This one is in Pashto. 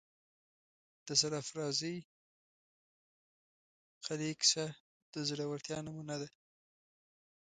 د سرافرازۍ قلعې کیسه د زړه ورتیا نمونه ده.